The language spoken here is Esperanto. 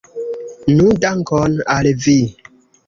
Nu, dankon al vi!